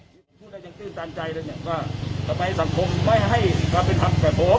คุณพุทธยังตื่นตามใจเลยเนี่ยว่าทำไมสังคมไม่ให้การเป็นธรรมกับผม